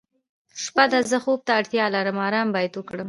شپه ده زه خوب ته اړتیا لرم آرام باید وکړم.